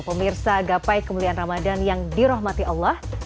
pemirsa gapai kemuliaan ramadan yang dirahmati allah